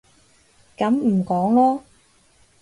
噉唔講囉